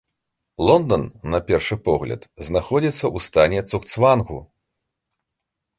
Лондан, на першы погляд, знаходзіцца ў стане цугцвангу.